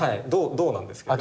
銅なんですけど。